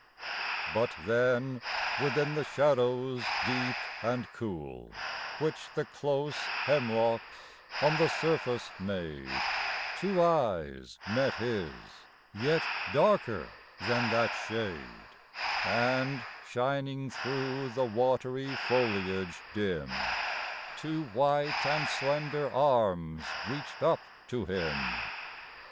But then, within the shadows deep and cool Which the close hemlocks on the surface made, Two eyes met his yet darker than that shade And, shining through the watery foliage dim, Two white and slender arms reached up to him.